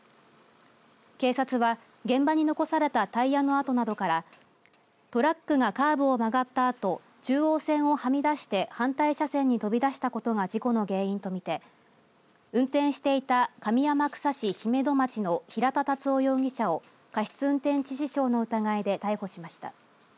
警察は現場に残されたタイヤの跡などからトラックがカーブを曲がったあと中央線をはみ出して反対車線に飛び出したことが事故の原因とみて運転していた上天草市姫戸町の平田龍男容疑者を過失運転致死傷の疑いで逮捕しました。